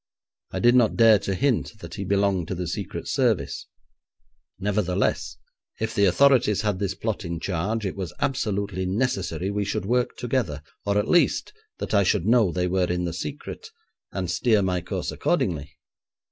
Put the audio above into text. I did not dare to hint that he belonged to the Secret Service; nevertheless, if the authorities had this plot in charge, it was absolutely necessary we should work together, or, at least, that I should know they were in the secret, and steer my course accordingly.